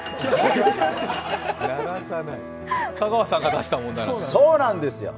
香川さんが出した問題なんですね。